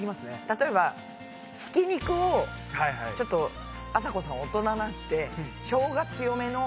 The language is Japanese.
例えばひき肉をちょっとあさこさん大人なんでしょうが強めの。